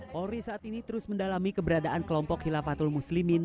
polri saat ini terus mendalami keberadaan kelompok hilafatul muslimin